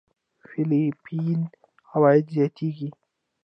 فېليپين عوايد زياتېږي.